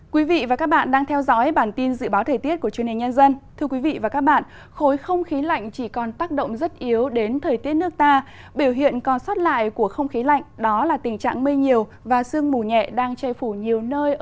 các bạn hãy đăng ký kênh để ủng hộ kênh của chúng mình nhé